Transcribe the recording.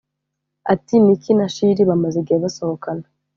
Ati “Nick na Chilli bamaze igihe basohokana